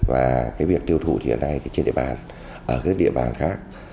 và việc tiêu thụ hiện nay trên địa bàn ở địa bàn khác